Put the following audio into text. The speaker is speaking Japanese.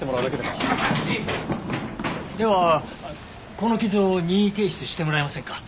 この傷を任意提出してもらえませんか？